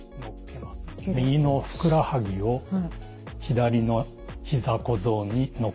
右のふくらはぎを左の膝小僧に乗っけます。